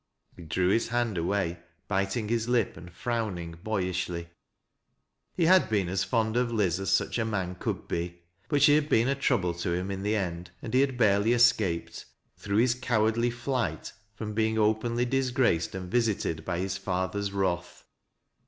He drew his hand away, biting his lip and frowning boy ishly. He had been as fond of Liz as such a man could be. But she had been a trouble to him in the end, and he had barely escaped, through his cowardly flight, from being openly disgraced and visited by his fathei's wrath.